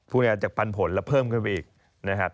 พูดง่ายจากปันผลแล้วเพิ่มขึ้นไปอีกนะครับ